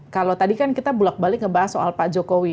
kalau tadi kan kita bulak balik ngebahas soal pak jokowi